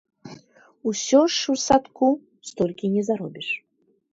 Усё ж у садку столькі не заробіш.